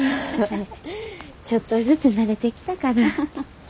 ちょっとずつ慣れてきたから。